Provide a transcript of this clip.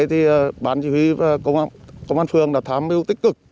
thì bán chỉ huy công an phường đã thám biểu tích cực